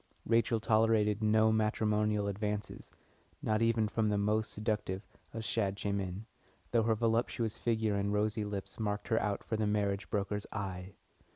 Rachel tolerated no matrimonial advances, not even from the most seductive of Shadchanim, though her voluptuous figure and rosy lips marked her out for the marriage broker's eye.